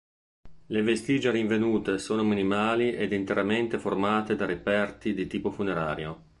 Le vestigia rinvenute sono minimali ed interamente formate da reperti di tipo funerario.